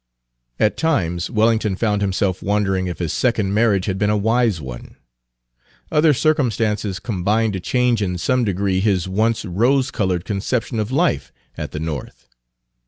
At times Wellington found himself wondering if his second marriage had been a wise one. Other circumstances combined to change in some degree his once rose colored conception of life at the North.